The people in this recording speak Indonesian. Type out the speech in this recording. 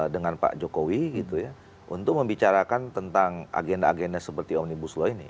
dengan pak jokowi gitu ya untuk membicarakan tentang agenda agenda seperti omnibus law ini